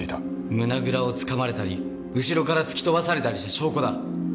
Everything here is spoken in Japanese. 胸倉を掴まれたり後ろから突き飛ばされたりした証拠だ。